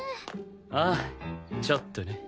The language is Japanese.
ああちょっとね。